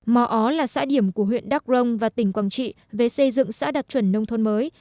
mò ó là xã điểm của huyện đắk rông và tỉnh quảng trị về xây dựng xã đạt chuẩn nông thôn mới